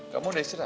kamu udah istirahat